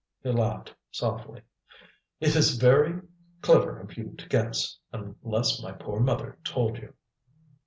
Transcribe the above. He laughed softly. "It is very clever of you to guess, unless my poor mother told you."